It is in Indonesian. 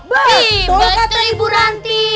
betul kata ibu ranti